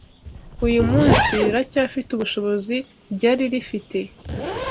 uyu munsi riracyafite ubushobozi ryari rifite.